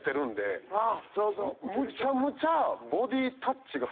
むちゃむちゃ。